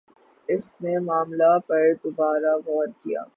اس نے معاملے پر دوبارہ غور کِیا